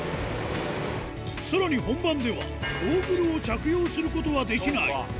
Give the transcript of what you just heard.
さらに本番では、ゴーグルを着用することはできない。